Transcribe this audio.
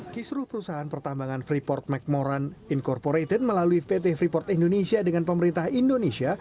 kisruh perusahaan pertambangan freeport mcmoran incorporated melalui pt freeport indonesia dengan pemerintah indonesia